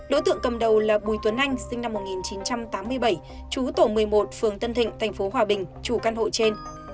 đối tượng cầm đầu là bùi tuấn anh sinh năm một nghìn chín trăm tám mươi bảy chú tổ một mươi một phường tân thịnh tp hòa bình chủ căn hộ trên